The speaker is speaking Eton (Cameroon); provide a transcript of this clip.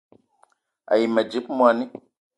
A yi ma dzip moni